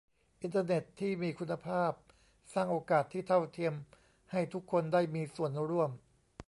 อินเตอร์เน็ตที่มีคุณภาพสร้างโอกาสที่เท่าเทียมให้ทุกคนได้มีส่วนร่วม